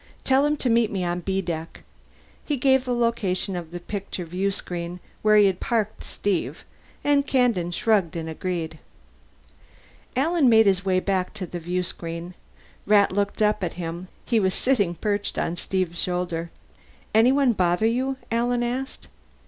Tell him to meet me on B Deck." He gave the location of the picture viewscreen where he had parked Steve, and Kandin shrugged and agreed. Alan made his way back to the viewscreen. Rat looked up at him; he was sitting perched on Steve's shoulder. "Anyone bother you?" Alan asked.